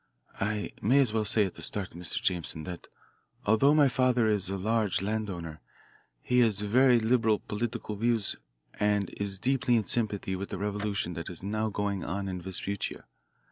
"I may as well say at the start, Mr. Jameson, that although my father is a large land owner, he has very liberal political views and is deeply in sympathy with the revolution that is now going on in Vespuccia.